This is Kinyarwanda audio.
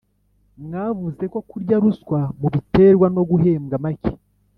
Mwavuze ko kurya ruswa mubiterwa no guhembwa make